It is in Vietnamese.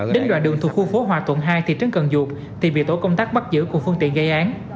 đến đoạn đường thuộc khu phố hòa tuần hai thị trấn cần dược thì bị tổ công tác bắt giữ của phương tiện gây án